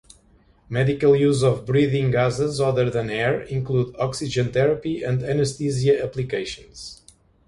Medical use of breathing gases other than air include oxygen therapy and anesthesia applications.